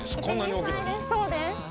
そうです。